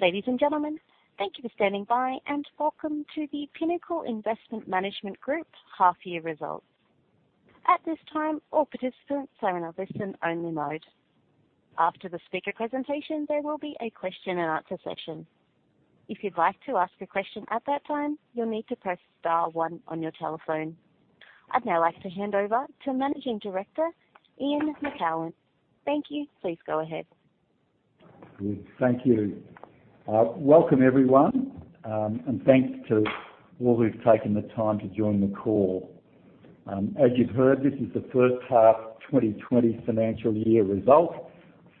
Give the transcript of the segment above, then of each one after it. Ladies and gentlemen, thank you for standing by and welcome to the Pinnacle Investment Management Group half-year results. At this time, all participants are in a listen-only mode. After the speaker presentation, there will be a question and answer session. If you'd like to ask a question at that time, you'll need to press star one on your telephone. I'd now like to hand over to Managing Director, Ian Macoun. Thank you. Please go ahead. Good. Thank you. Welcome everyone, and thanks to all who've taken the time to join the call. As you've heard, this is the first half 2020 financial year result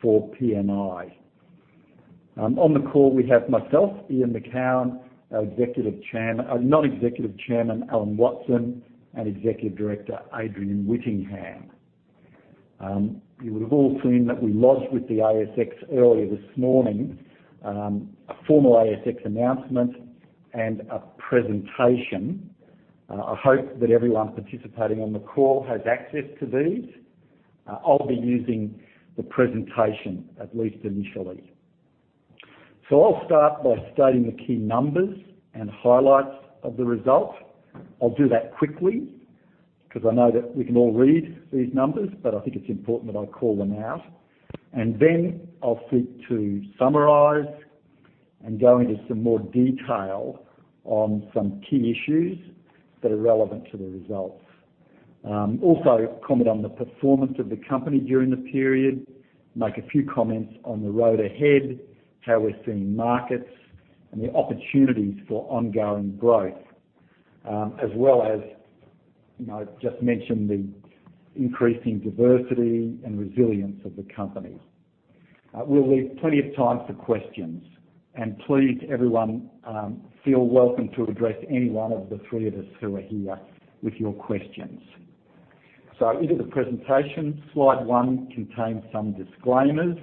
for PNI. On the call we have myself, Ian Macoun, our Non-executive Chairman, Alan Watson, and Executive Director, Adrian Whittingham. You would have all seen that we lodged with the ASX earlier this morning, a formal ASX announcement and a presentation. I hope that everyone participating on the call has access to these. I'll be using the presentation at least initially. I'll start by stating the key numbers and highlights of the results. I'll do that quickly because I know that we can all read these numbers, but I think it's important that I call them out. I'll seek to summarize and go into some more detail on some key issues that are relevant to the results. Comment on the performance of the company during the period, make a few comments on the road ahead, how we're seeing markets and the opportunities for ongoing growth, as well as, just mention the increasing diversity and resilience of the company. We'll leave plenty of time for questions, and please everyone, feel welcome to address any one of the three of us who are here with your questions. Into the presentation. Slide one contains some disclaimers.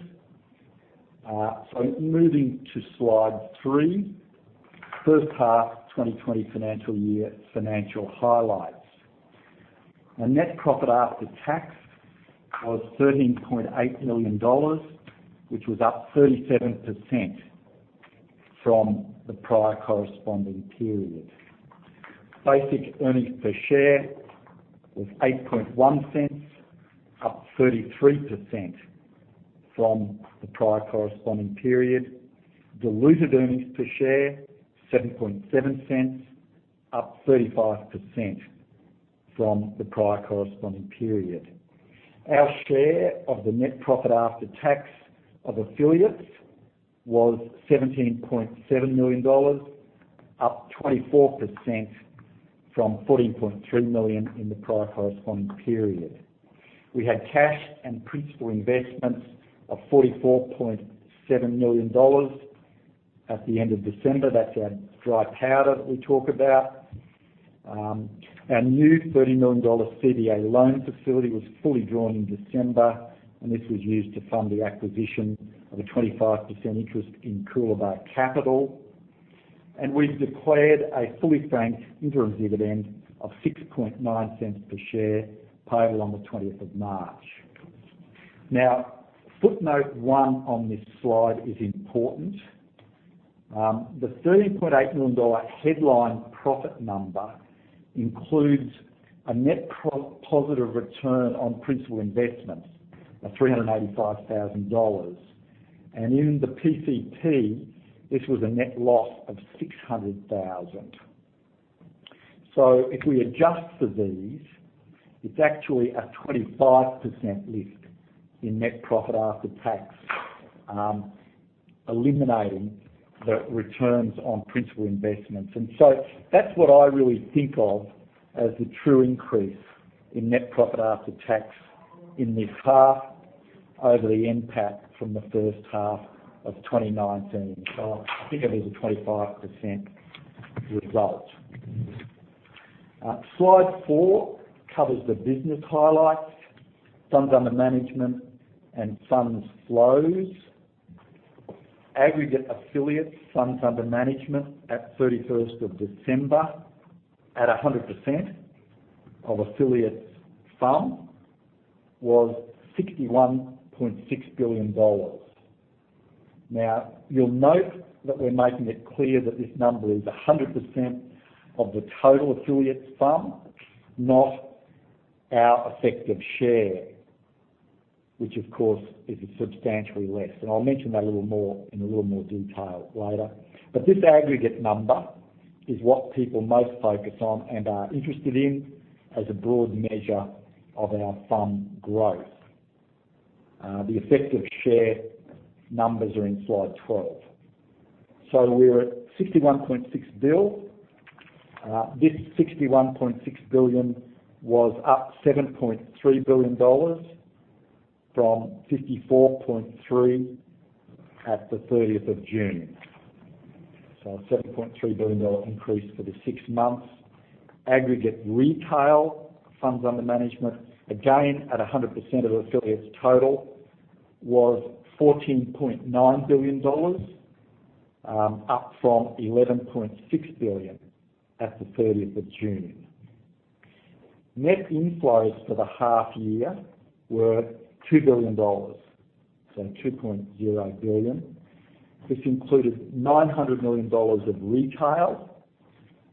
Moving to slide three, first half 2020 financial year financial highlights. Our net profit after tax was 13.8 million dollars, which was up 37% from the prior corresponding period. Basic earnings per share was 0.081, up 33% from the prior corresponding period. Diluted earnings per share, 0.077, up 35% from the prior corresponding period. Our share of the net profit after tax of affiliates was 17.7 million dollars, up 24% from 14.3 million in the prior corresponding period. We had cash and principal investments of 44.7 million dollars at the end of December. That's our dry powder that we talk about. Our new 30 million dollar CBA loan facility was fully drawn in December. This was used to fund the acquisition of a 25% interest in Coolabah Capital. We've declared a fully franked interim dividend of 0.069 per share, payable on the 20th of March. Now, footnote one on this slide is important. The 13.8 million dollar headline profit number includes a net positive return on principal investments of 385,000 dollars. In the PCT, this was a net loss of 600,000. If we adjust for these, it's actually a 25% lift in net profit after tax, eliminating the returns on principal investments. That's what I really think of as the true increase in net profit after tax in this half over the NPAT from the first half of 2019. I think it is a 25% result. Slide four covers the business highlights, funds under management, and funds flows. Aggregate affiliates funds under management at 31st of December, at 100% of affiliates funds, was 61.6 billion dollars. You'll note that we're making it clear that this number is 100% of the total affiliates fund, not our effective share, which of course is substantially less. I'll mention that in a little more detail later. This aggregate number is what people most focus on and are interested in as a broad measure of our fund growth. The effective share numbers are in slide 12. We're at 61.6 billion. This 61.6 billion was up 7.3 billion dollars from 54.3 billion at the 30th of June. A 7.3 billion dollar increase for the six months. Aggregate retail funds under management, again at 100% of affiliates total, was AUD 14.9 billion, up from AUD 11.6 billion at the 30th of June. Net inflows for the half year were 2 billion dollars. This included 900 million dollars of retail,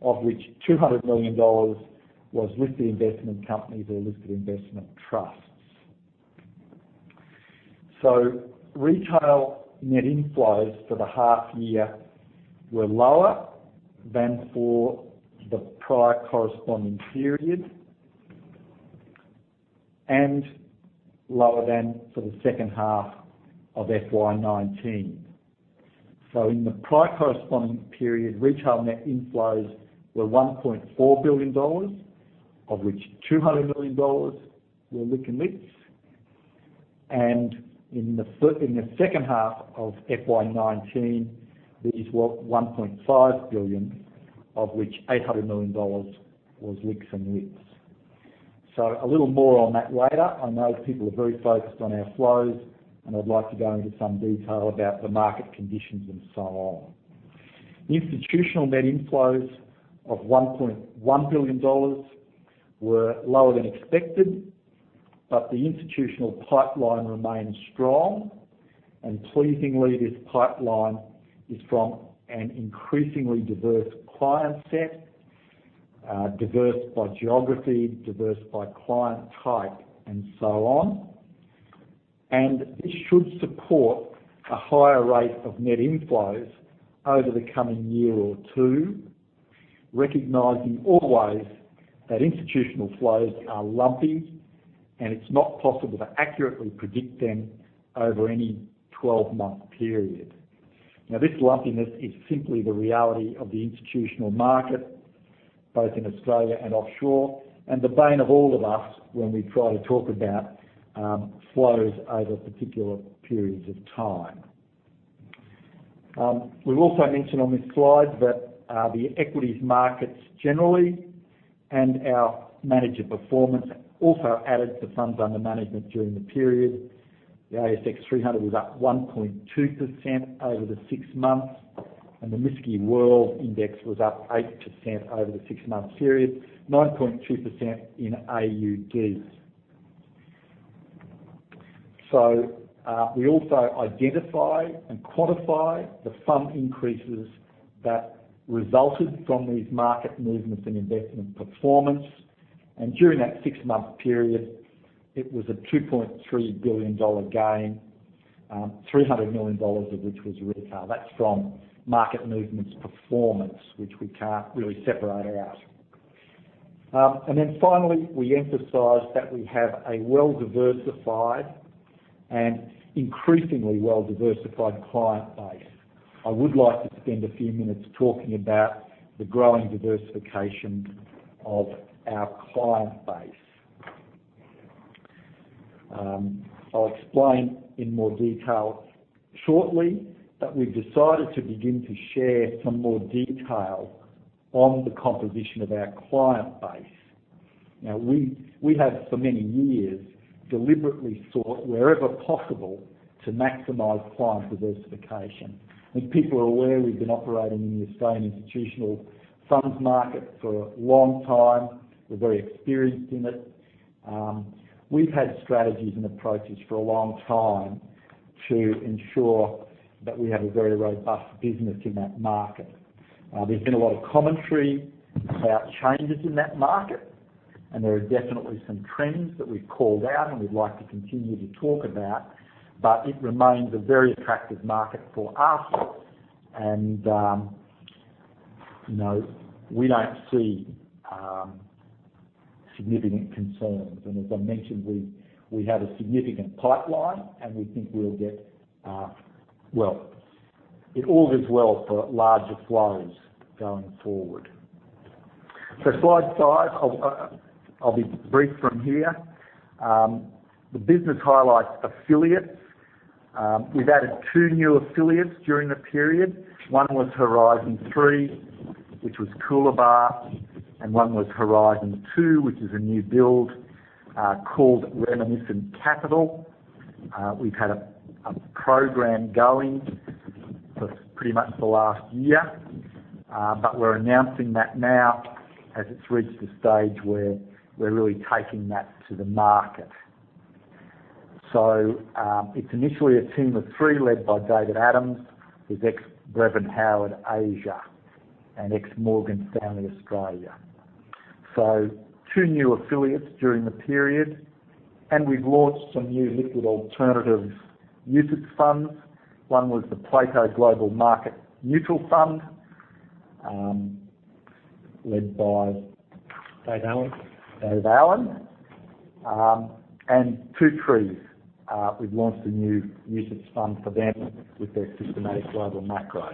of which 200 million dollars was listed investment companies or listed investment trusts. Retail net inflows for the half year were lower than for the prior corresponding period and lower than for the second half of FY 2019. In the prior corresponding period, retail net inflows were AUD 1.4 billion, of which AUD 200 million were LIC and LITs. In the second half of FY 2019, these were 1.5 billion, of which 800 million dollars was LICs and LITs. A little more on that later. I know people are very focused on our flows, and I'd like to go into some detail about the market conditions and so on. Institutional net inflows of 1.1 billion dollars were lower than expected, but the institutional pipeline remains strong and pleasingly, this pipeline is from an increasingly diverse client set, diverse by geography, diverse by client type, and so on. This should support a higher rate of net inflows over the coming year or two, recognizing always that institutional flows are lumpy, and it's not possible to accurately predict them over any 12-month period. This lumpiness is simply the reality of the institutional market, both in Australia and offshore, and the bane of all of us when we try to talk about flows over particular periods of time. We've also mentioned on this slide that the equities markets generally and our manager performance also added to funds under management during the period. The ASX 300 was up 1.2% over the six months, and the MSCI World Index was up 8% over the six-month period, 9.2% in AUD. We also identify and quantify the fund increases that resulted from these market movements in investment performance. During that six-month period, it was a 2.3 billion dollar gain, 300 million dollars of which was retail. That's from market movements performance, which we can't really separate out. Finally, we emphasize that we have a well-diversified and increasingly well-diversified client base. I would like to spend a few minutes talking about the growing diversification of our client base. I'll explain in more detail shortly that we've decided to begin to share some more detail on the composition of our client base. We have for many years deliberately sought wherever possible to maximize client diversification. As people are aware, we've been operating in the Australian institutional funds market for a long time. We're very experienced in it. We've had strategies and approaches for a long time to ensure that we have a very robust business in that market. There's been a lot of commentary about changes in that market, and there are definitely some trends that we've called out and we'd like to continue to talk about, but it remains a very attractive market for us. We don't see significant concerns. As I mentioned, we have a significant pipeline, and we think it all bodes well for larger flows going forward. Slide five, I'll be brief from here. The business highlights affiliates. We've added two new affiliates during the period. One was Horizon 3, which was Coolabah, and one was Horizon 2, which is a new build called Reminiscent Capital. We've had a program going for pretty much the last year, but we're announcing that now as it's reached the stage where we're really taking that to the market. It's initially a team of three led by David Adams, who's ex-Brevan Howard Asia and ex-Morgan Stanley Australia. Two new affiliates during the period, and we've launched some new listed alternative UCITS funds. One was the Plato Global Market Neutral Fund. Led by Dave Allen Dave Allen. Two Trees, we've launched a new UCITS fund for them with their systematic global macro.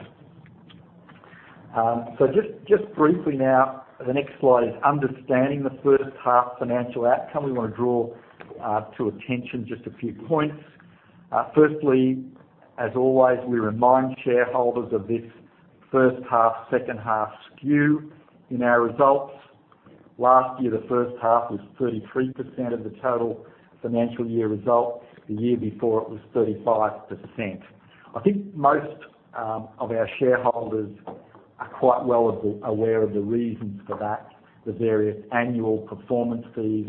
Just briefly now, the next slide is understanding the first half financial outcome. We want to draw to attention just a few points. Firstly, as always, we remind shareholders of this first half, second half skew in our results. Last year, the first half was 33% of the total financial year result. The year before it was 35%. I think most of our shareholders are quite well aware of the reasons for that. The various annual performance fees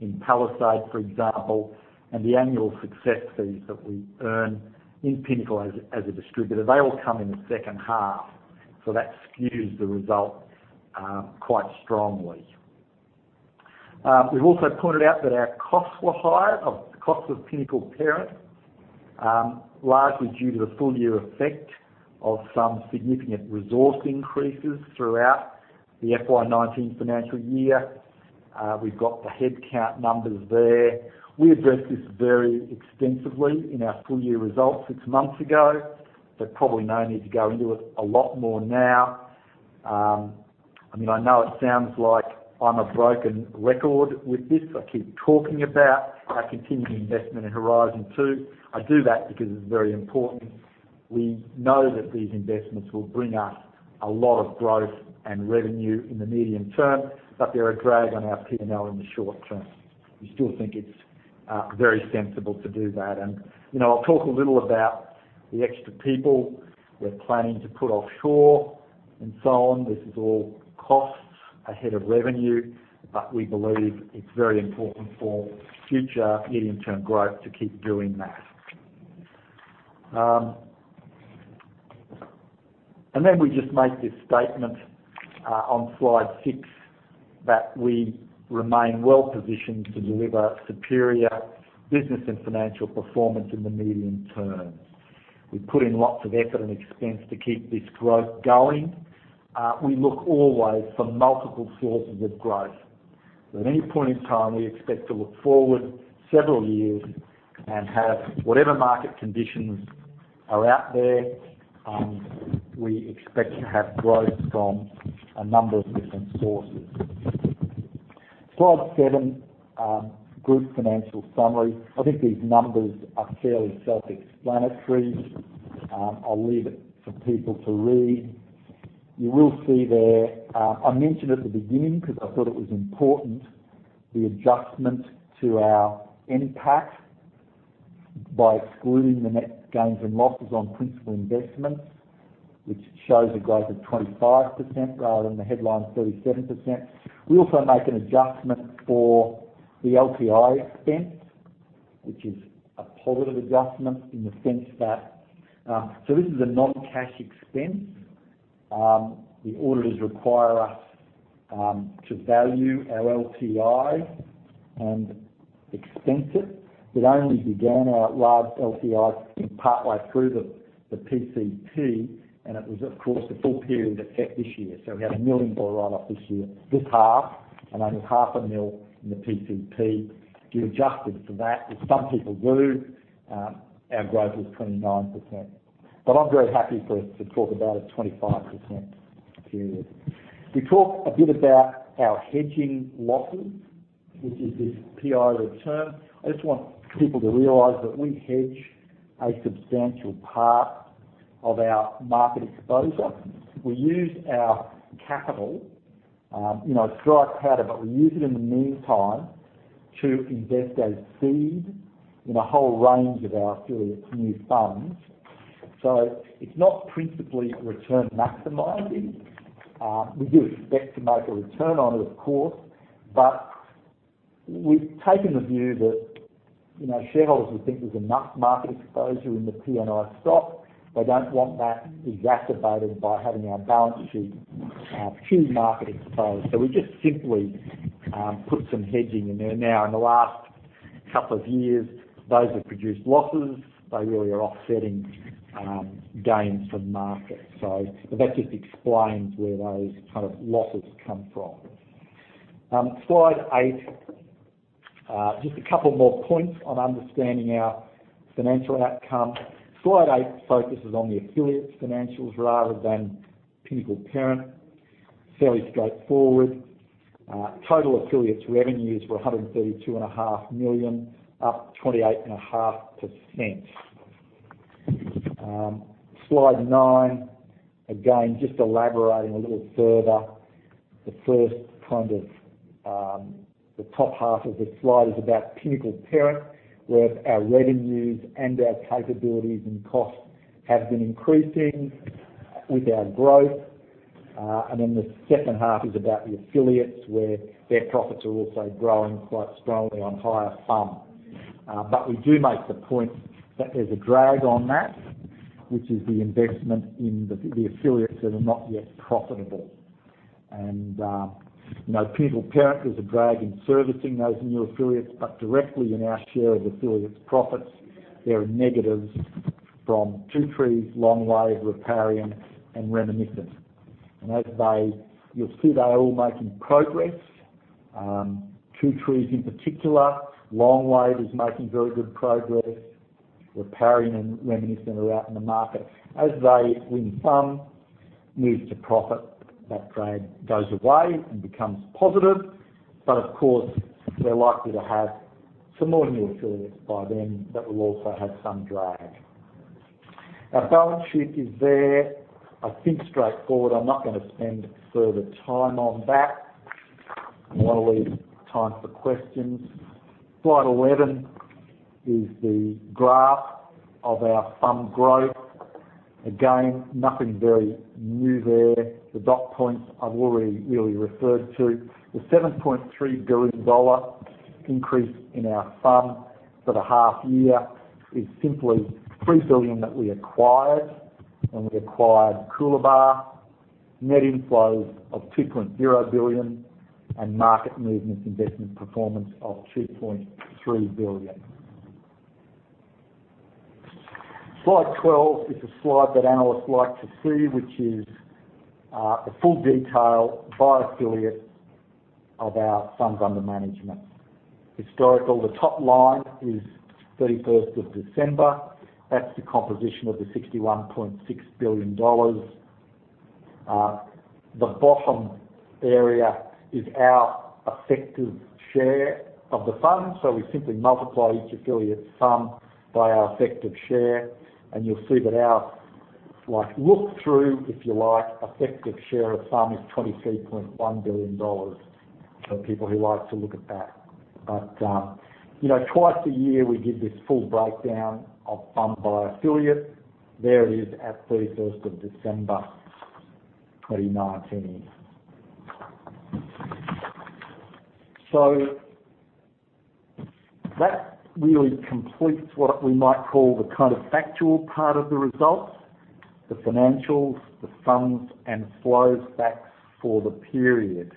in Palisade, for example, and the annual success fees that we earn in Pinnacle as a distributor, they all come in the second half. That skews the result quite strongly. We've also pointed out that our costs were higher, costs of Pinnacle Parent, largely due to the full-year effect of some significant resource increases throughout the FY 2019 financial year. We've got the headcount numbers there. We addressed this very extensively in our full-year results six months ago, probably no need to go into it a lot more now. I know it sounds like I'm a broken record with this. I keep talking about our continued investment in Horizon 2. I do that because it's very important. We know that these investments will bring us a lot of growth and revenue in the medium term, they're a drag on our P&L in the short term. We still think it's very sensible to do that. I'll talk a little about the extra people we're planning to put offshore and so on. This is all costs ahead of revenue, but we believe it's very important for future medium-term growth to keep doing that. We just make this statement on slide six, that we remain well positioned to deliver superior business and financial performance in the medium term. We put in lots of effort and expense to keep this growth going. We look always for multiple sources of growth. At any point in time, we expect to look forward several years and have whatever market conditions are out there. We expect to have growth from a number of different sources. Slide seven. Group financial summary. I think these numbers are fairly self-explanatory. I'll leave it for people to read. You will see there, I mentioned at the beginning because I thought it was important, the adjustment to our NPAT by excluding the net gains and losses on principal investments, which shows a growth of 25% rather than the headline 37%. We also make an adjustment for the LTI expense, which is a positive adjustment in the sense that this is a non-cash expense. The auditors require us to value our LTI and expense it. We'd only begun our large LTI expense partway through the PCP, it was of course a full period effect this year. We had a million dollar write-off this year, this half, and only AUD half a million in the PCP. If you adjusted for that, as some people do, our growth was 29%. I'm very happy for us to talk about a 25% period. We talk a bit about our hedging losses, which is this PI return. I just want people to realize that we hedge a substantial part of our market exposure. We use our capital in a dry powder, but we use it in the meantime to invest as seed in a whole range of our affiliates' new funds. It's not principally return maximizing. We do expect to make a return on it, of course, but we've taken the view that shareholders would think there's enough market exposure in the PNI stock. They don't want that exacerbated by having our balance sheet too market exposed. We just simply put some hedging in there. Now, in the last couple of years, those have produced losses. They really are offsetting gains from markets. That just explains where those losses come from. Slide eight. Just a couple more points on understanding our financial outcome. Slide eight focuses on the affiliates' financials rather than Pinnacle Parent. Fairly straightforward. Total affiliates revenues were 132.5 million, up 28.5%. Slide nine, again, just elaborating a little further. The first, the top half of this slide is about Pinnacle Parent, where our revenues and our capabilities and costs have been increasing with our growth. The second half is about the affiliates, where their profits are also growing quite strongly on higher FUM. We do make the point that there's a drag on that, which is the investment in the affiliates that are not yet profitable. Pinnacle Parent is a drag in servicing those new affiliates, but directly in our share of affiliates' profits, there are negatives from Two Trees, Longwave, Riparian and Reminiscent. As you'll see, they are all making progress. Two Trees in particular, Longwave is making very good progress. Riparian and Reminiscent are out in the market. When FUM moves to profit, that drag goes away and becomes positive. Of course, we're likely to have some more new affiliates by then that will also have some drag. Our balance sheet is there. I think straightforward. I'm not going to spend further time on that I want to leave time for questions. Slide 11 is the graph of our fund growth. Again, nothing very new there. The dot points I've already really referred to. The 7.3 billion dollar increase in our fund for the half-year is simply 3 billion that we acquired when we acquired Coolabah, net inflows of 2.0 billion, and market movements investment performance of 2.3 billion. Slide 12 is a slide that analysts like to see, which is a full detail by affiliate of our funds under management. Historical, the top line is 31st of December. That's the composition of the 61.6 billion dollars. The bottom area is our effective share of the fund. We simply multiply each affiliate sum by our effective share, and you'll see that our look-through, if you like, effective share of sum is 23.1 billion dollars, for people who like to look at that. Twice a year, we give this full breakdown of fund by affiliate. There it is at 31st of December, 2019. That really completes what we might call the factual part of the results, the financials, the funds, and flows back for the period.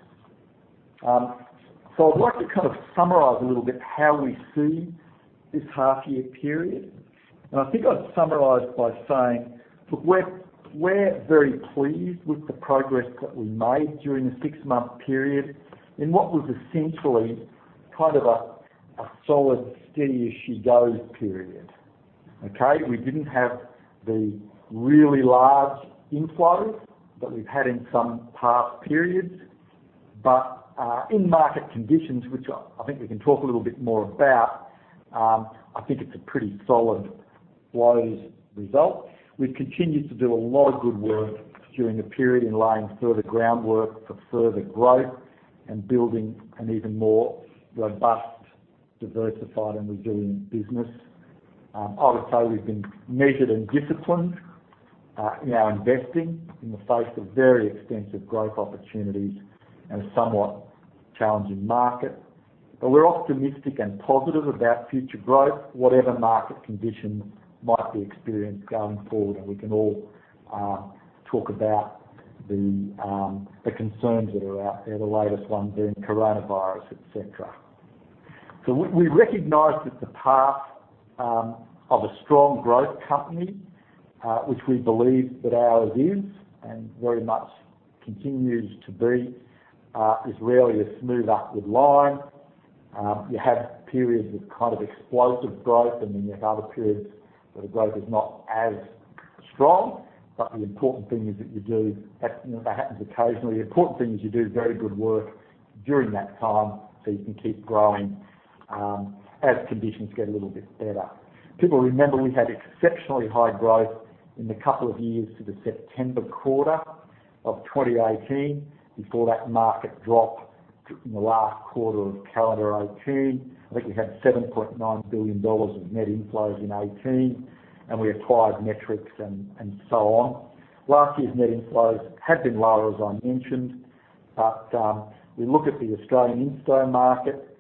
I'd like to summarize a little bit how we see this half-year period. I think I'd summarize by saying, look, we're very pleased with the progress that we made during the six-month period in what was essentially a solid steady as she goes period. Okay. We didn't have the really large inflows that we've had in some past periods, but in market conditions, which I think we can talk a little bit more about, I think it's a pretty solid flows result. We've continued to do a lot of good work during the period in laying further groundwork for further growth and building an even more robust, diversified, and resilient business. I would say we've been measured and disciplined in our investing in the face of very extensive growth opportunities and a somewhat challenging market. We're optimistic and positive about future growth, whatever market conditions might be experienced going forward. We can all talk about the concerns that are out there, the latest one being coronavirus, et cetera. We recognize that the path of a strong growth company, which we believe that ours is and very much continues to be, is rarely a smooth upward line. You have periods of explosive growth, then you have other periods where the growth is not as strong. The important thing is you do very good work during that time so you can keep growing as conditions get a little bit better. People remember we had exceptionally high growth in the couple of years to the September quarter of 2018 before that market drop in the last quarter of calendar 2018. I think we had 7.9 billion dollars of net inflows in 2018, we acquired Metrics and so on. Last year's net inflows have been lower, as I mentioned. We look at the Australian insto market,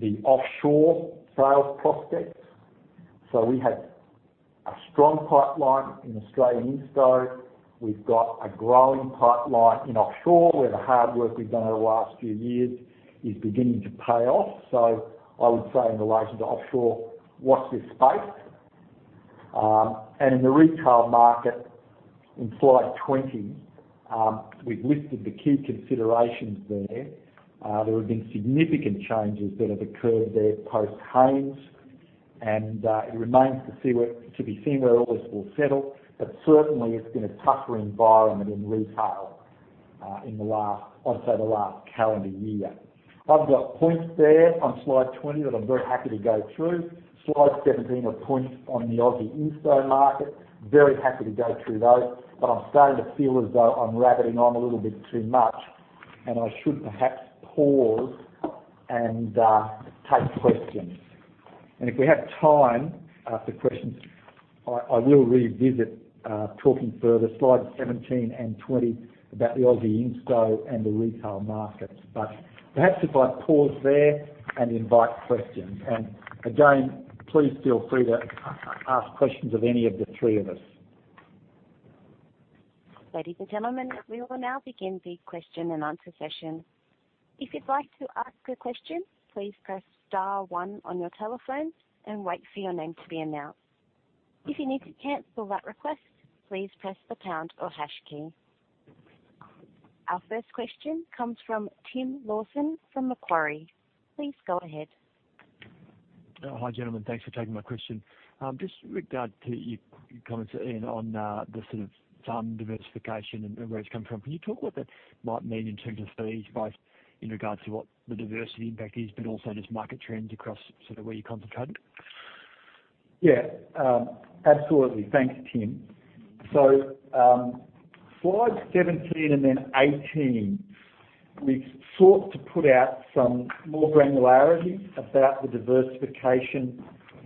the offshore sales prospects. We have a strong pipeline in Australian insto. We've got a growing pipeline in offshore where the hard work we've done over the last few years is beginning to pay off. I would say in relation to offshore, watch this space. In the retail market in slide 20, we've listed the key considerations there. There have been significant changes that have occurred there post-Hayne and it remains to be seen where all this will settle, but certainly it's been a tougher environment in retail in, I'd say, the last calendar year. I've got points there on slide 20 that I'm very happy to go through. Slide 17 are points on the Aussie insto market. Very happy to go through those. I'm starting to feel as though I'm rabbiting on a little bit too much and I should perhaps pause and take questions. If we have time for questions, I will revisit talking further slides 17 and 20 about the Aussie insto and the retail markets. Perhaps if I pause there and invite questions. Again, please feel free to ask questions of any of the three of us. Ladies and gentlemen, we will now begin the question and answer session. If you'd like to ask a question, please press star one on your telephone and wait for your name to be announced. If you need to cancel that request, please press the pound or hash key. Our first question comes from Tim Lawson from Macquarie. Please go ahead. Hi, gentlemen. Thanks for taking my question. Just with regard to your comments, Ian, on the fund diversification and where it's come from, can you talk what that might mean in terms of fees, both in regards to what the diversity impact is, but also just market trends across where you're concentrated? Yeah. Absolutely. Thanks, Tim. Slides 17 and then 18, we've sought to put out some more granularity about the diversification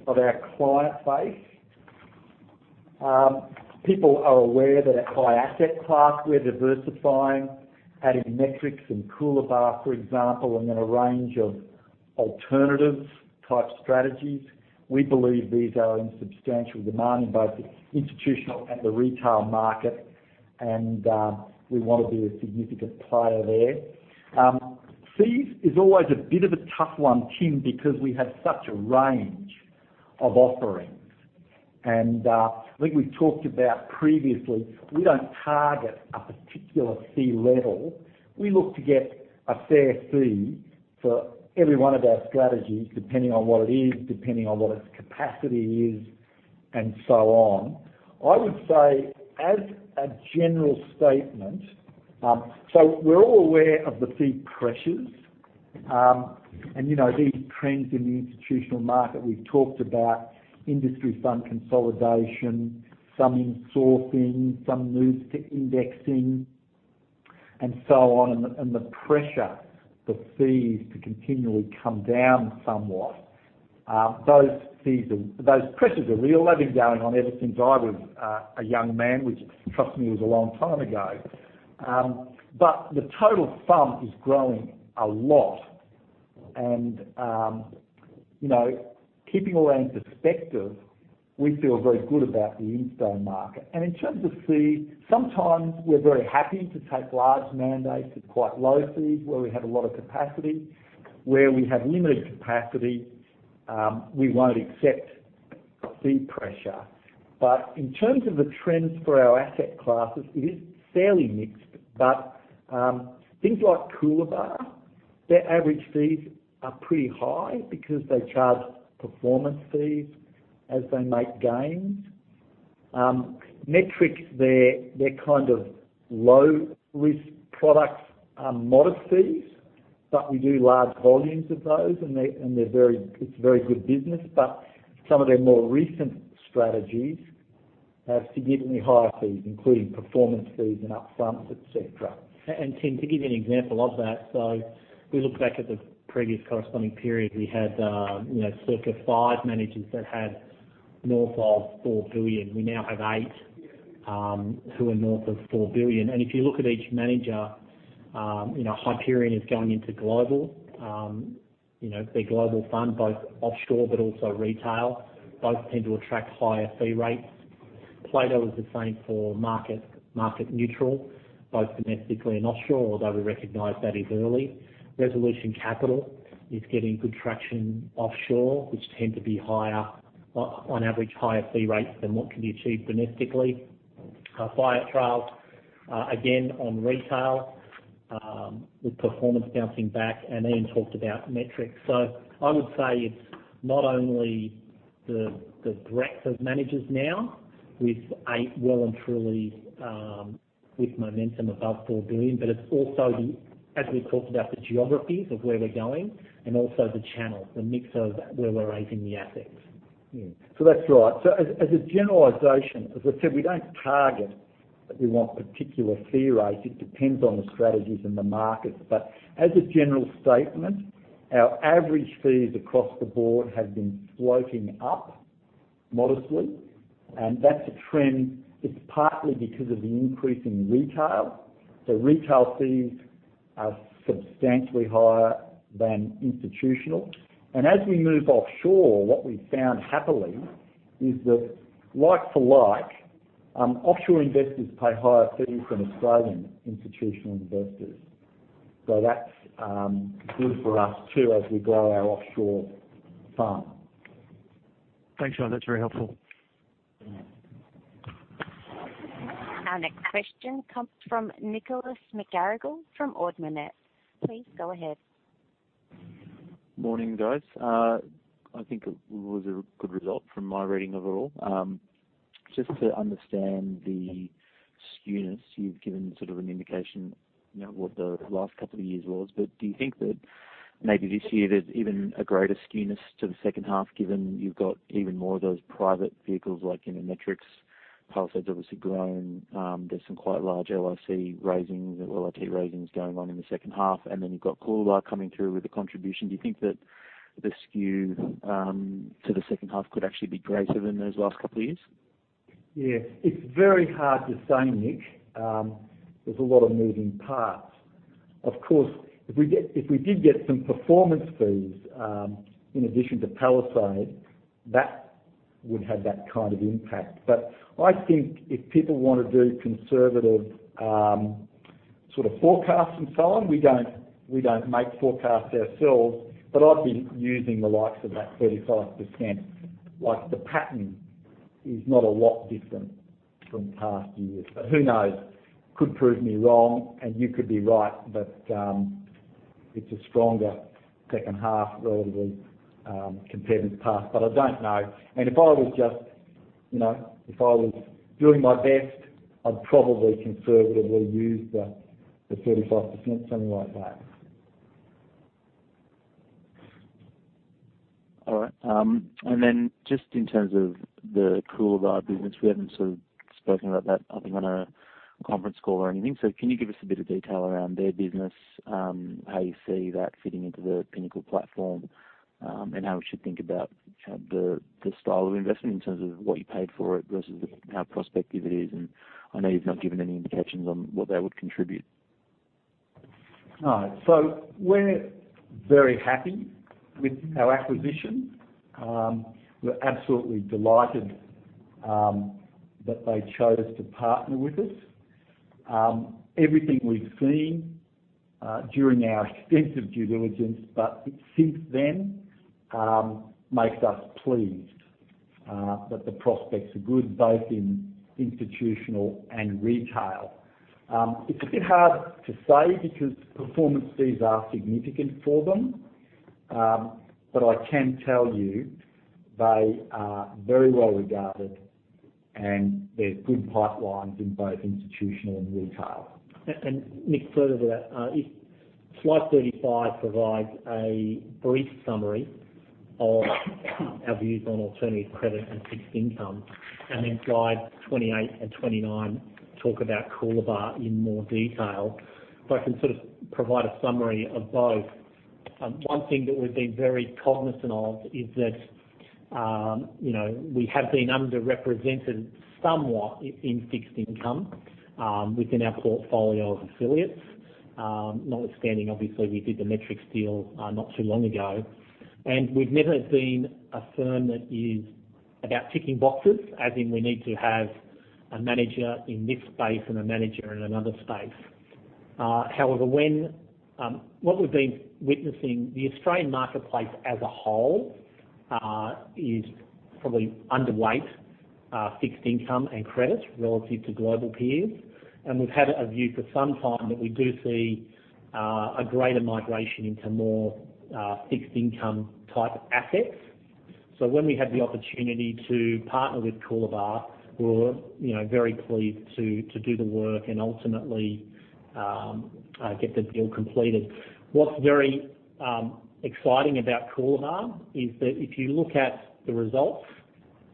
of our client base. People are aware that by asset class, we're diversifying, adding Metrics and Coolabah, for example, and then a range of alternative type strategies. We believe these are in substantial demand in both the institutional and the retail market, and we want to be a significant player there. Fees is always a bit of a tough one, Tim, because we have such a range of offerings. I think we've talked about previously, we don't target a particular fee level. We look to get a fair fee for every one of our strategies, depending on what it is, depending on what its capacity is, and so on. I would say, as a general statement, we're all aware of the fee pressures. These trends in the institutional market, we've talked about industry fund consolidation, some in-sourcing, some moves to indexing, and so on. The pressure for fees to continually come down somewhat. Those pressures are real. They've been going on ever since I was a young man, which trust me, was a long time ago. The total sum is growing a lot and keeping all that in perspective, we feel very good about the insto market. In terms of fee, sometimes we're very happy to take large mandates at quite low fees where we have a lot of capacity. Where we have limited capacity, we won't accept fee pressure. In terms of the trends for our asset classes, it is fairly mixed. Things like Coolabah, their average fees are pretty high because they charge performance fees as they make gains. Metrics, they're low risk products, modest fees, but we do large volumes of those and it's very good business. Some of their more recent strategies have significantly higher fees, including performance fees and up-fronts, et cetera. Tim, to give you an example of that, if we look back at the previous corresponding period, we had circa five managers that had north of 4 billion. We now have eight who are north of 4 billion. If you look at each manager, Hyperion is going into global. Their global fund, both offshore but also retail, both tend to attract higher fee rates. Plato is the same for market neutral, both domestically and offshore, although we recognize that is early. Resolution Capital is getting good traction offshore, which tend to be on average higher fee rates than what can be achieved domestically. Firetrail, again, on retail, with performance bouncing back. Ian talked about Metrics. I would say it's not only the breadth of managers now with eight well and truly with momentum above 4 billion, but it's also, as we talked about, the geographies of where we're going and also the channel, the mix of where we're raising the assets. That's right. As a generalization, as I said, we don't target that we want particular fee rates. It depends on the strategies and the markets. As a general statement, our average fees across the board have been sloping up modestly, and that's a trend. It's partly because of the increase in retail. Retail fees are substantially higher than institutional. As we move offshore, what we've found happily, is that like for like, offshore investors pay higher fees than Australian institutional investors. That's good for us too as we grow our offshore farm. Thanks, Ian. That's very helpful. Our next question comes from Nicholas McGarrigle from Ord Minnett. Please go ahead. Morning, guys. I think it was a good result from my reading of it all. Just to understand the skewness, you've given sort of an indication, what the last couple of years was. Do you think that maybe this year there's even a greater skewness to the second half, given you've got even more of those private vehicles like in the Metrics, Palisade's obviously grown. There's some quite large LIC raisings or LIT raisings going on in the second half, and then you've got Coolabah coming through with a contribution. Do you think that the skew to the second half could actually be greater than those last couple of years? Yeah. It's very hard to say, Nicholas. There's a lot of moving parts. Of course, if we did get some performance fees in addition to Palisade, that would have that kind of impact. I think if people want to do conservative sort of forecasts and so on, we don't make forecasts ourselves, but I'd be using the likes of that 35%. Like the pattern is not a lot different from past years. Who knows? Could prove me wrong and you could be right that it's a stronger second half relatively compared to the past. I don't know. If I was doing my best, I'd probably conservatively use the 35%, something like that. All right. Just in terms of the Coolabah business, we haven't spoken about that, I think, on a conference call or anything. Can you give us a bit of detail around their business, how you see that fitting into the Pinnacle platform, and how we should think about the style of investment in terms of what you paid for it versus how prospective it is? I know you've not given any indications on what that would contribute. All right. We're very happy with our acquisition. We're absolutely delighted that they chose to partner with us. Everything we've seen during our extensive due diligence, but since then makes us pleased that the prospects are good, both in institutional and retail. It's a bit hard to say because performance fees are significant for them. I can tell you they are very well-regarded, and there are good pipelines in both institutional and retail. Nicholas, further to that, slide 35 provides a brief summary of our views on alternative credit and fixed income, and then slides 28 and 29 talk about Coolabah in more detail. I can provide a summary of both. One thing that we've been very cognizant of is that we have been underrepresented somewhat in fixed income within our portfolio of affiliates. Notwithstanding, obviously, we did the Metrics deal not too long ago. We've never been a firm that is about ticking boxes, as in we need to have a manager in this space and a manager in another space. However, what we've been witnessing, the Australian marketplace as a whole is probably underweight fixed income and credits relative to global peers. We've had a view for some time that we do see a greater migration into more fixed income type assets. When we had the opportunity to partner with Coolabah, we were very pleased to do the work and ultimately get the deal completed. What is very exciting about Coolabah is that if you look at the results,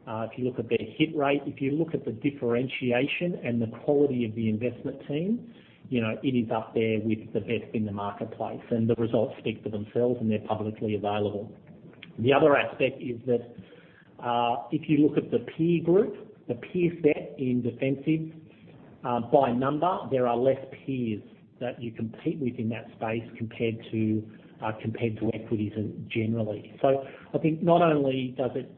if you look at their hit rate, if you look at the differentiation and the quality of the investment team, it is up there with the best in the marketplace, and the results speak for themselves, and they are publicly available. The other aspect is that if you look at the peer group, the peer set in defensives, by number, there are less peers that you compete with in that space compared to equities and generally. I think not only does it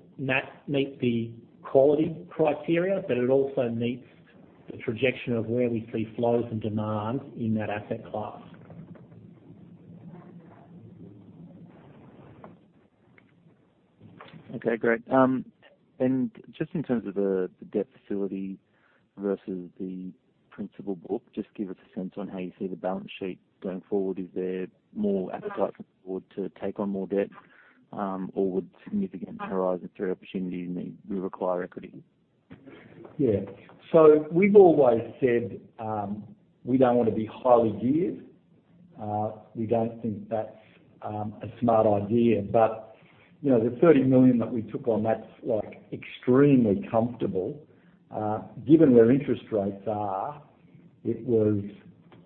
meet the quality criteria, but it also meets the trajectory of where we see flows and demand in that asset class. Okay, great. Just in terms of the debt facility versus the principal book, just give us a sense on how you see the balance sheet going forward. Is there more appetite for the board to take on more debt? Would significant Horizon 3 opportunity mean we require equity? Yeah. We've always said we don't want to be highly geared. We don't think that's a smart idea. The 30 million that we took on, that's extremely comfortable. Given where interest rates are, it was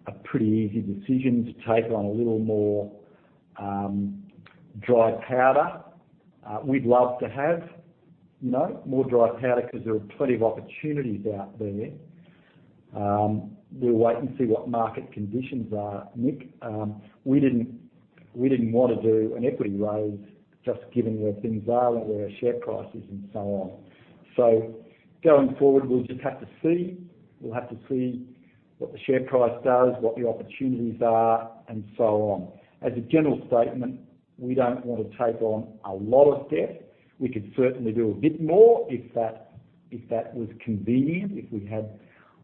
a pretty easy decision to take on a little more dry powder. We'd love to have more dry powder because there are plenty of opportunities out there. We'll wait and see what market conditions are, Nicholas. We didn't want to do an equity raise just given where things are and where our share price is and so on. Going forward, we'll just have to see. We'll have to see what the share price does, what the opportunities are, and so on. As a general statement, we don't want to take on a lot of debt. We could certainly do a bit more if that was convenient. If we had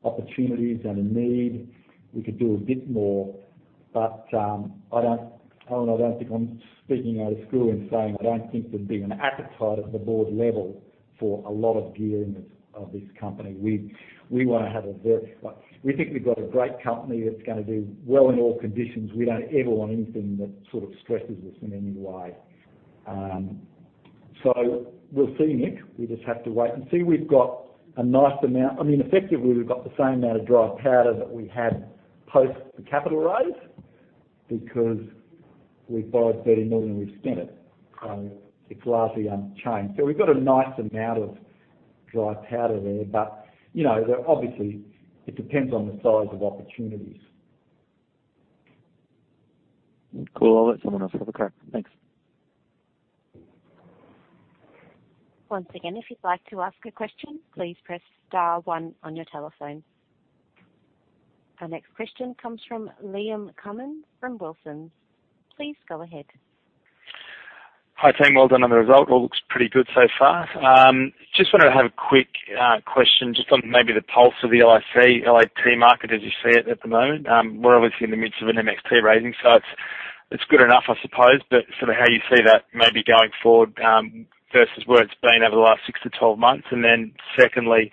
opportunities and a need, we could do a bit more. Owen, I don't think I'm speaking out of school in saying I don't think there'd be an appetite at the board level for a lot of gearing of this company. We think we've got a great company that's going to do well in all conditions. We don't ever want anything that stresses us in any way. We'll see, Nicholas. We just have to wait and see. We've got a nice amount I mean, effectively, we've got the same amount of dry powder that we had post the capital raise because we borrowed 30 million and we've spent it. It's largely unchanged. We've got a nice amount of dry powder there, but obviously it depends on the size of opportunities. Cool. I'll let someone else have a crack. Thanks. Once again, if you'd like to ask a question, please press star one on your telephone. Our next question comes from Liam Cummins from Wilsons. Please go ahead. Hi, team. Well done on the result. All looks pretty good so far. Just wanted to have a quick question just on maybe the pulse of the LIC, LIT market as you see it at the moment. We're obviously in the midst of an MXT raising, so it's good enough, I suppose, but how you see that maybe going forward versus where it's been over the last six to twelve months. Secondly,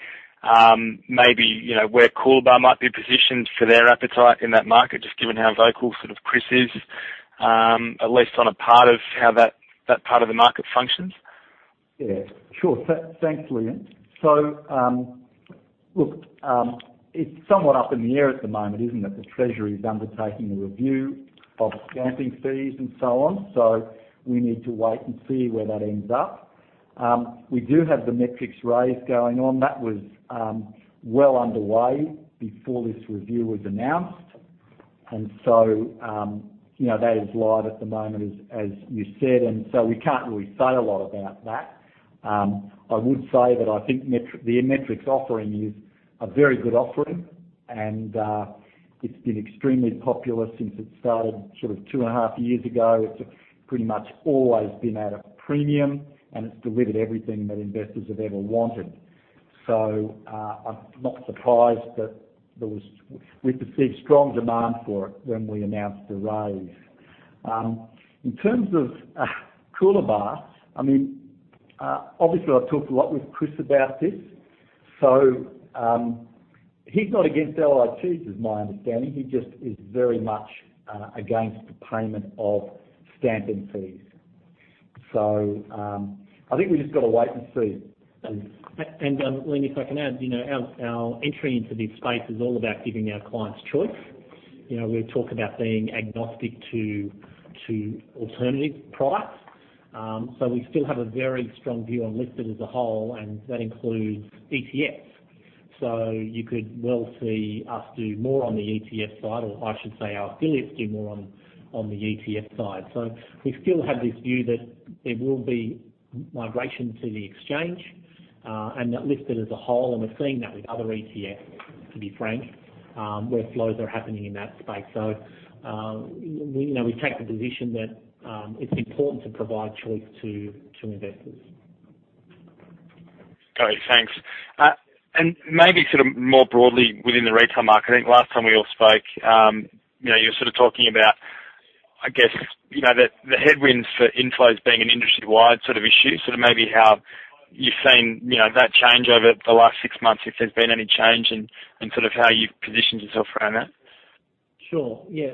maybe where Coolabah might be positioned for their appetite in that market, just given how vocal Chris is, at least on a part of how that part of the market functions? Yeah, sure. Thanks, Liam. Look, it's somewhat up in the air at the moment, isn't it? The Treasury is undertaking a review of stamping fees and so on. We need to wait and see where that ends up. We do have the Metrics raise going on. That was well underway before this review was announced, and so that is live at the moment, as you said, and so we can't really say a lot about that. I would say that I think the Metrics offering is a very good offering, and it's been extremely popular since it started two and a half years ago. It's pretty much always been at a premium, and it's delivered everything that investors have ever wanted. I'm not surprised that we've perceived strong demand for it when we announced the raise. In terms of Coolabah, obviously I've talked a lot with Chris about this. He's not against LITs, is my understanding. He just is very much against the payment of stamping fees. I think we've just got to wait and see. Liam, if I can add, our entry into this space is all about giving our clients choice. We talk about being agnostic to alternative products. We still have a very strong view on listed as a whole, and that includes ETFs. You could well see us do more on the ETF side, or I should say our affiliates do more on the ETF side. We still have this view that there will be migration to the exchange and that listed as a whole, and we're seeing that with other ETFs, to be frank, where flows are happening in that space. We’ve taken the position that it’s important to provide choice to investors. Great, thanks. Maybe more broadly within the retail market, I think last time we all spoke, you were talking about the headwinds for inflows being an industry-wide issue. Maybe how you've seen that change over the last six months, if there's been any change, and how you've positioned yourself around that. Sure. Yeah.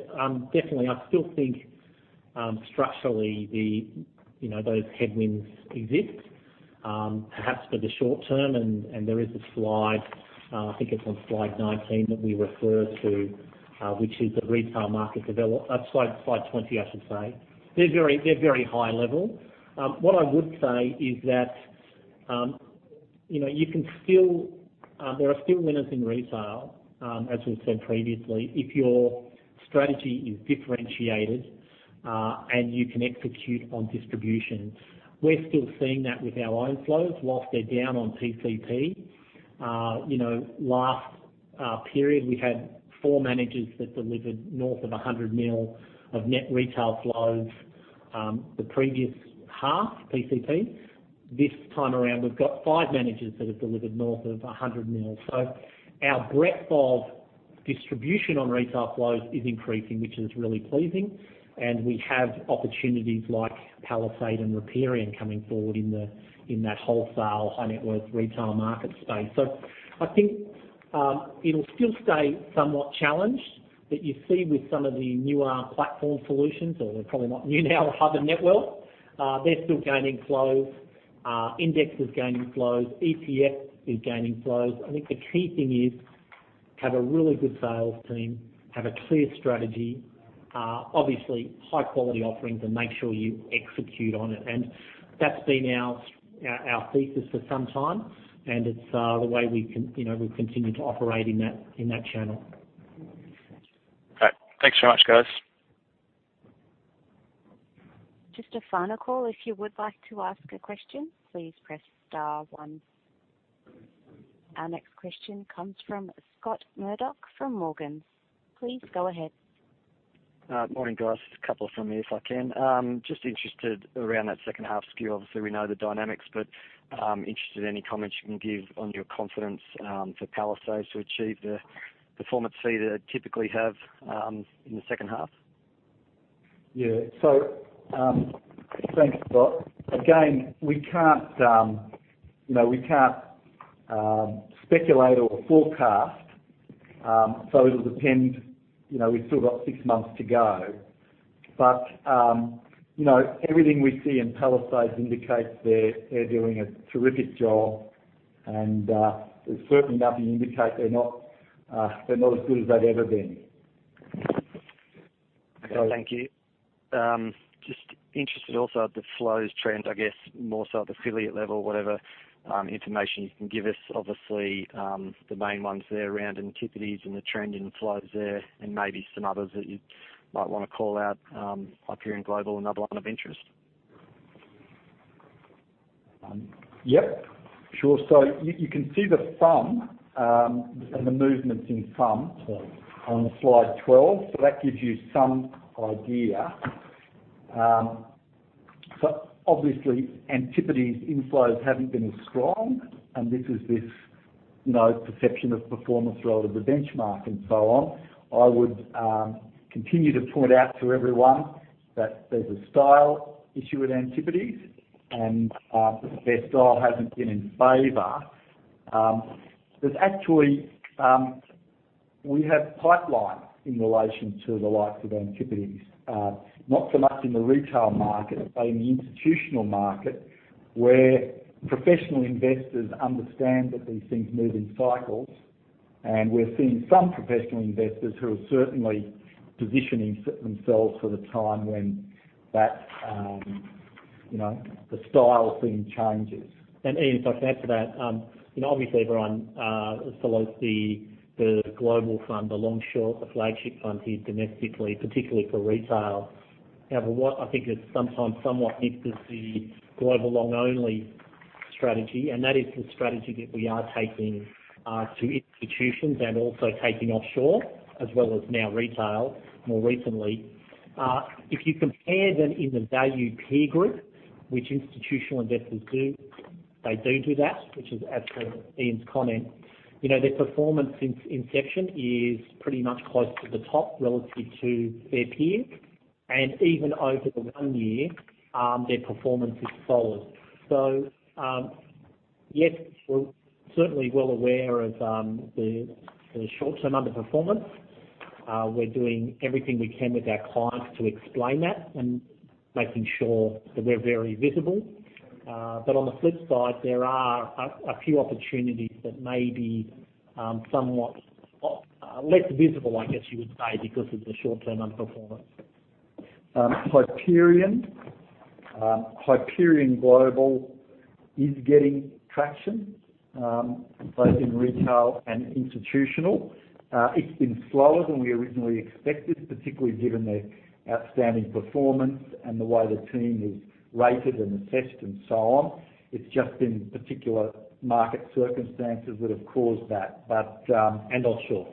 Definitely. I still think structurally those headwinds exist, perhaps for the short term, and there is a slide, I think it's on slide 19, that we refer to, which is the retail market development. Slide 20, I should say. They're very high level. What I would say is that there are still winners in retail, as we've said previously, if your strategy is differentiated and you can execute on distribution. We're still seeing that with our own flows, whilst they're down on PCP. Last period, we had four managers that delivered north of 100 million of net retail flows the previous half PCP. This time around, we've got five managers that have delivered north of 100 million. Our breadth of distribution on retail flows is increasing, which is really pleasing, and we have opportunities like Palisade and Riparian coming forward in that wholesale high-net worth retail market space. I think it'll still stay somewhat challenged, but you see with some of the newer platform solutions, or they're probably not new now, are the net worth. They're still gaining flows. Index is gaining flows. ETF is gaining flows. I think the key thing is have a really good sales team, have a clear strategy, obviously high-quality offerings, and make sure you execute on it. That's been our thesis for some time, and it's the way we've continued to operate in that channel. All right, thanks so much, guys. Just a final call. If you would like to ask a question, please press star one. Our next question comes from Scott Murdoch from Morgans. Please go ahead. Morning, guys. A couple from me, if I can. Just interested around that second half skew. Obviously, we know the dynamics, but interested in any comments you can give on your confidence for Palisade to achieve the performance fee they typically have in the second half. Thanks, Scott. Again, we can't speculate or forecast. It'll depend, we've still got six months to go. Everything we see in Palisade indicates they're doing a terrific job, and there's certainly nothing to indicate they're not as good as they've ever been. Okay. Thank you. Just interested also at the flows trend, I guess, more so at the affiliate level, whatever information you can give us, obviously, the main ones there around Antipodes and the trend in flows there. Maybe some others that you might want to call out. Hyperion Global, another one of interest. Yep. Sure. You can see the FUM and the movements in FUM on slide 12. That gives you some idea. Obviously, Antipodes inflows haven't been as strong, and this is this perception of performance relative to benchmark and so on. I would continue to point out to everyone that there's a style issue at Antipodes, and their style hasn't been in favor. We have pipelines in relation to the likes of Antipodes. Not so much in the retail market, but in the institutional market, where professional investors understand that these things move in cycles. We're seeing some professional investors who are certainly positioning themselves for the time when the style thing changes. Ian, if I can add to that, obviously everyone follows the global fund, the long short, the flagship fund here domestically, particularly for retail. What I think is sometimes somewhat missed is the global long only strategy, and that is the strategy that we are taking to institutions and also taking offshore as well as now retail more recently. If you compare them in the value peer group, which institutional investors do, they do that, which is as per Ian's comment. Their performance since inception is pretty much close to the top relative to their peers, and even over the one year, their performance is solid. Yes, we're certainly well aware of the short-term underperformance. We're doing everything we can with our clients to explain that and making sure that we're very visible. On the flip side, there are a few opportunities that may be somewhat less visible, I guess you would say, because of the short-term underperformance. Hyperion Global is getting traction, both in retail and institutional. It's been slower than we originally expected, particularly given their outstanding performance and the way the team is rated and assessed and so on. It's just been particular market circumstances that have caused that. And offshore.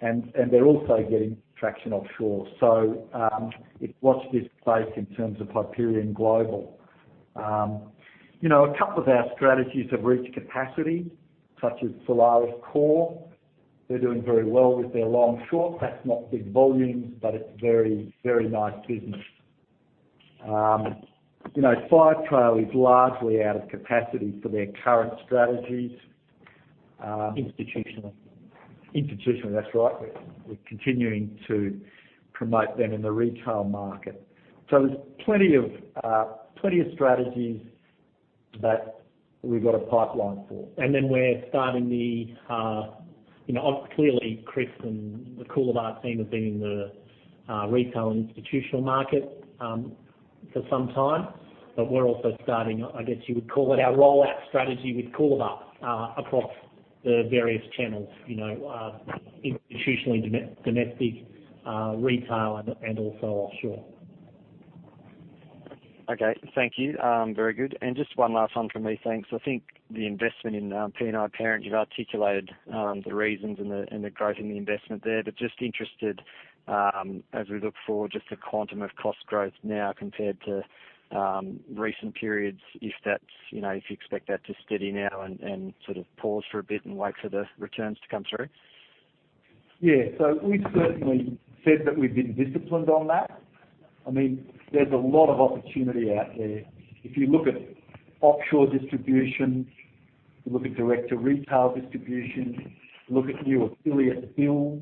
They're also getting traction offshore. Watch this space in terms of Hyperion Global. A couple of our strategies have reached capacity, such as Solaris Core. They're doing very well with their long short. That's not big volumes, but it's very nice business. Firetrail is largely out of capacity for their current strategies. Institutionally. Institutionally, that's right. We're continuing to promote them in the retail market. There's plenty of strategies that we've got a pipeline for. Clearly Chris and the Coolabah team have been in the retail and institutional market for some time, but we're also starting, I guess you would call it our rollout strategy with Coolabah across the various channels, institutionally, domestic, retail and also offshore. Okay. Thank you. Very good. Just one last one from me, thanks. I think the investment in Pinnacle Parent, you've articulated the reasons and the growth in the investment there, just interested, as we look forward, just the quantum of cost growth now compared to recent periods, if you expect that to steady now and sort of pause for a bit and wait for the returns to come through? Yeah. We've certainly said that we've been disciplined on that. There's a lot of opportunity out there. If you look at offshore distribution, you look at direct to retail distribution, look at new affiliate deals,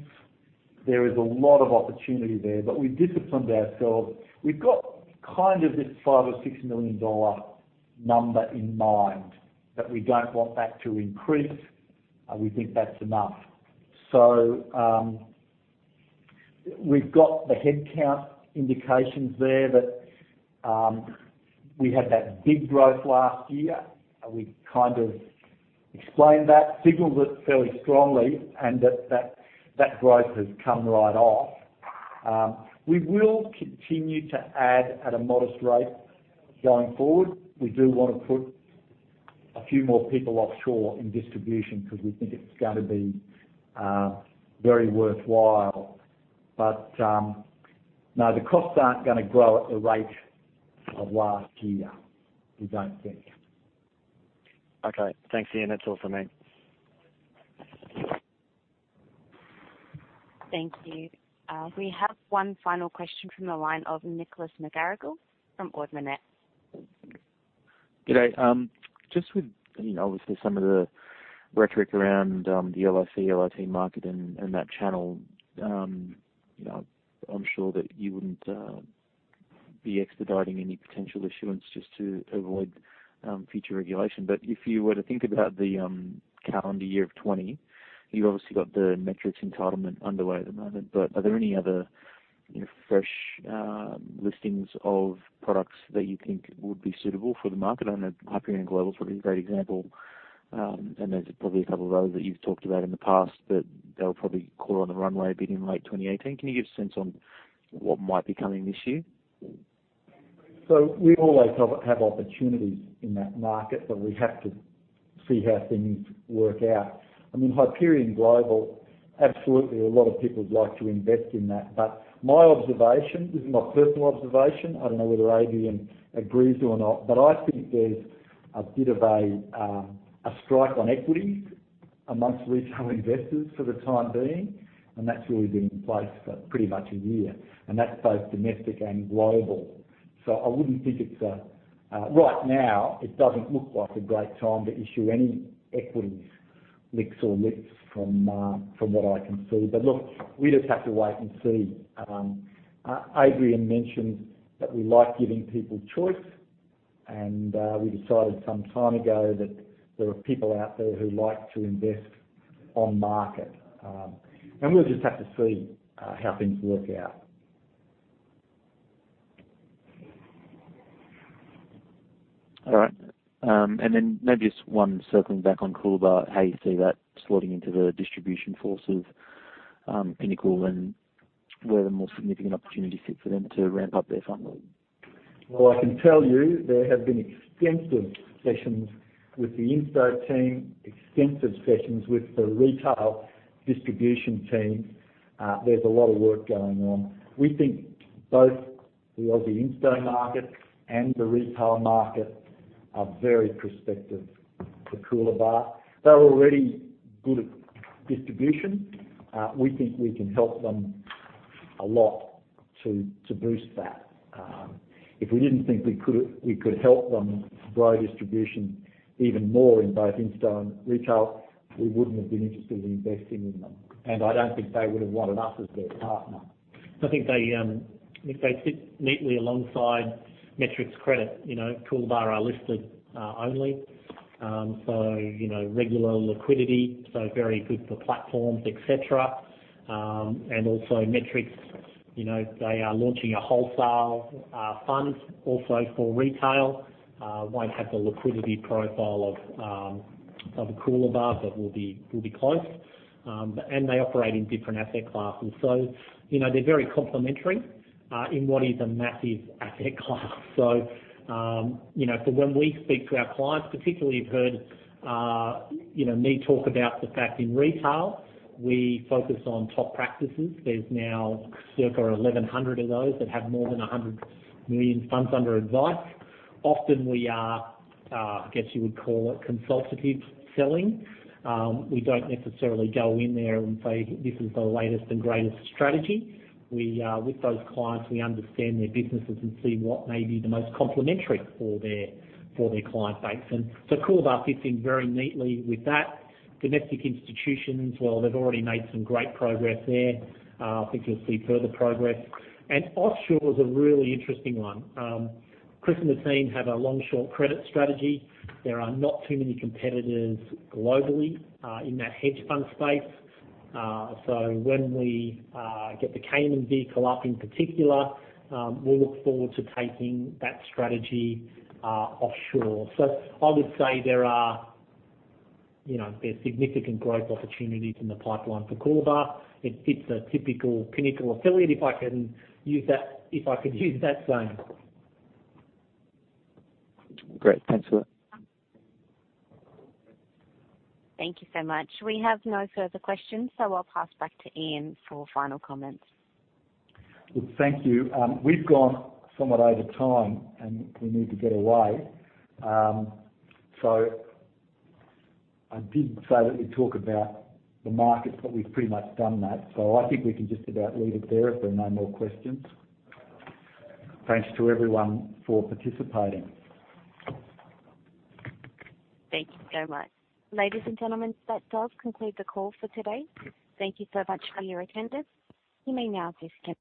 there is a lot of opportunity there, but we've disciplined ourselves. We've got kind of this 5 million or 6 million dollar number in mind that we don't want that to increase, and we think that's enough. We've got the headcount indications there that we had that big growth last year. We kind of explained that, signaled it fairly strongly, and that growth has come right off. We will continue to add at a modest rate going forward. We do want to put a few more people offshore in distribution because we think it's going to be very worthwhile. No, the costs aren't going to grow at the rate of last year, we don't think. Okay. Thanks, Ian. That's all for me. Thank you. We have one final question from the line of Nicholas McGarrigle from Ord Minnett. G'day. With obviously some of the rhetoric around the LIC, LIT market and that channel, I'm sure that you wouldn't be expediting any potential issuance just to avoid future regulation. If you were to think about the calendar year of 2020, you've obviously got the Metrics entitlement underway at the moment. Are there any other fresh listings of products that you think would be suitable for the market? I know Hyperion Global is probably a great example, and there's probably a couple of others that you've talked about in the past that they'll probably call on the runway a bit in late 2018. Can you give a sense on what might be coming this year? We always have opportunities in that market, but we have to see how things work out. Hyperion Global, absolutely, a lot of people would like to invest in that. My observation, this is my personal observation, I don't know whether Adrian agrees or not, but I think there's a bit of a strike on equities amongst retail investors for the time being, and that's really been in place for pretty much a year, and that's both domestic and global. I wouldn't think it's right now, it doesn't look like a great time to issue any equities, LICs or LITs from what I can see. Look, we just have to wait and see. Adrian mentioned that we like giving people choice, and we decided some time ago that there are people out there who like to invest on market. We'll just have to see how things work out. All right. Maybe just one circling back on Coolabah, how you see that slotting into the distribution forces Pinnacle and where the more significant opportunities sit for them to ramp up their fund range? Well, I can tell you there have been extensive sessions with the institutional team, extensive sessions with the retail distribution team. There's a lot of work going on. We think both the Aussie institutional market and the retail market are very prospective for Coolabah. They're already good at distribution. We think we can help them a lot to boost that. If we didn't think we could help them grow distribution even more in both institutional and retail, we wouldn't have been interested in investing in them. I don't think they would have wanted us as their partner. I think they sit neatly alongside Metrics Credit. Coolabah are listed only, so regular liquidity, so very good for platforms, et cetera. Also Metrics, they are launching a wholesale fund also for retail. Won't have the liquidity profile of Coolabah, but will be close. They operate in different asset classes. They're very complementary in what is a massive asset class. When we speak to our clients, particularly you've heard me talk about the fact in retail, we focus on top practices. There's now circa 1,100 of those that have more than 100 million funds under advice. Often we are, I guess you would call it consultative selling. We don't necessarily go in there and say, "This is the latest and greatest strategy." With those clients, we understand their businesses and see what may be the most complementary for their client base. Coolabah fits in very neatly with that. Domestic institutions, well, they've already made some great progress there. I think you will see further progress. Offshore's a really interesting one. Chris and the team have a long-short credit strategy. There are not too many competitors globally in that hedge fund space. When we get the Cayman vehicle up in particular, we will look forward to taking that strategy offshore. I would say there are significant growth opportunities in the pipeline for Coolabah. It fits a typical Pinnacle affiliate, if I could use that saying. Great. Thanks for that. Thank you so much. We have no further questions, so I'll pass back to Ian for final comments. Well, thank you. We've gone somewhat over time, and we need to get away. I did say that we'd talk about the market, but we've pretty much done that, so I think we can just about leave it there if there are no more questions. Thanks to everyone for participating. Thank you so much. Ladies and gentlemen, that does conclude the call for today. Thank you so much for your attendance. You may now disconnect.